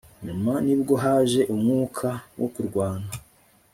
nyuma ni bwo haje umwuka wo kurwana